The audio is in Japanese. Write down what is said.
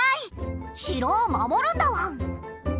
城を守るんだワン！